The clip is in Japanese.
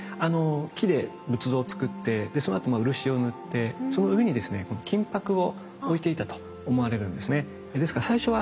木で仏像をつくってそのあと漆を塗ってその上にですね金箔を置いていたと思われるんですね。